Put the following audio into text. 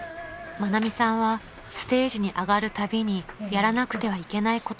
［愛美さんはステージに上がるたびにやらなくてはいけないことがあります］